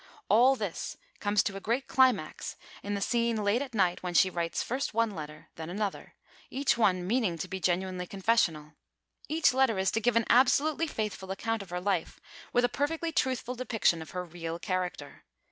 All this comes to a great climax in the scene late at night when she writes first one letter, then another each one meaning to be genuinely confessional. Each letter is to give an absolutely faithful account of her life, with a perfectly truthful depiction of her real character.